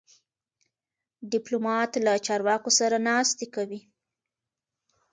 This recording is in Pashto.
ډيپلومات له چارواکو سره ناستې کوي.